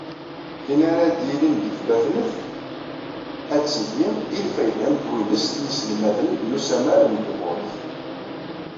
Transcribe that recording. Tin ara d-yilin deg tbatent, ad d-tili i lfayda n twinest n yiselmaden n usamar n tmurt.